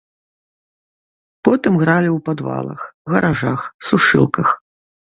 Потым гралі ў падвалах, гаражах, сушылках.